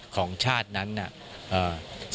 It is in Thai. ของชาตินั้นน่ะ